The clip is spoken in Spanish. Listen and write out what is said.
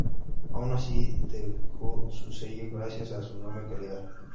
Aun así, dejó su sello gracias a su enorme calidad.